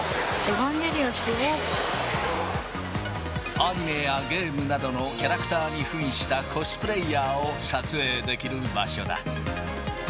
アニメやゲームなどのキャラクターにふんしたコスプレイヤーを撮影できる場所だ。